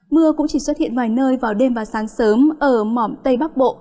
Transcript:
mưa cũng chỉ xuất hiện vài nơi vào đêm và sáng sớm ở mỏ tây bắc bộ